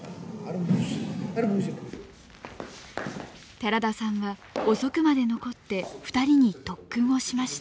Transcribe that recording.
寺田さんは遅くまで残って２人に特訓をしました。